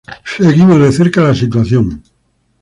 Seguimos de cerca la situación.